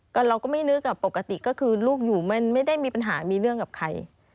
ก็เราก็ไม่นึกปกติก็คือลูกอยู่มันไม่ได้มีปัญหามีเรื่องกับใคร